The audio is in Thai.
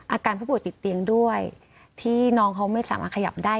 อาการผู้ป่วยติดเตียงด้วยที่น้องเขาไม่สามารถขยับได้